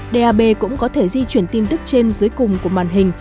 dab cũng có thể di chuyển tin tức trên dưới cùng của màn hình